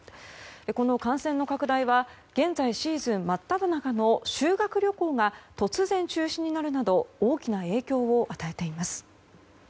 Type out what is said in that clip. この感染の拡大は現在シーズン真っただ中の修学旅行が突然中止になるなど大きな影響を与えています。